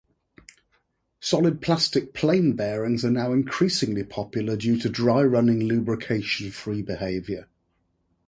Solid plastic plain bearings are now increasingly popular due to dry-running lubrication-free behavior.